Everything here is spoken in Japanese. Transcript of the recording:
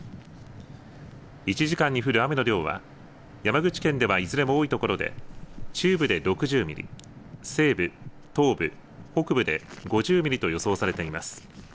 １時間に降る雨の量は山口県ではいずれも多いところで中部で６０ミリ、西部、東部、北部で５０ミリと予想されています。